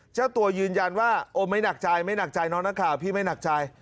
เจ้าตัวยืนยันว่าโอ้ไม่หนักใจไม่หนักใจน้องนักข่าวพี่ไม่หนักใจ